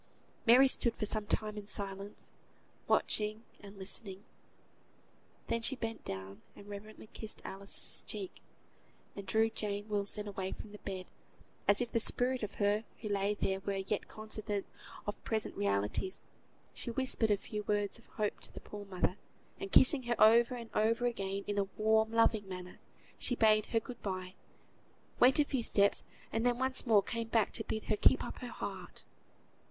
Mary stood for a time in silence, watching and listening. Then she bent down and reverently kissed Alice's cheek; and drawing Jane Wilson away from the bed, as if the spirit of her who lay there were yet cognisant of present realities, she whispered a few words of hope to the poor mother, and kissing her over and over again in a warm, loving manner, she bade her good bye, went a few steps, and then once more came back to bid her keep up her heart.